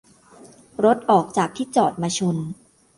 - รถออกจากที่จอดมาชน